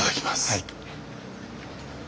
はい。